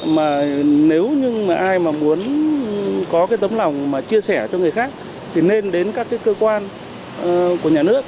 mà nếu như mà ai mà muốn có cái tấm lòng mà chia sẻ cho người khác thì nên đến các cái cơ quan của nhà nước